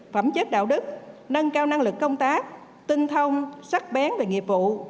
phẩm chất đạo đức nâng cao năng lực công tác tinh thông sắc bén về nghiệp vụ